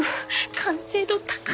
完成度高い。